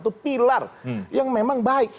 menjadi salah satu pilar yang memang baik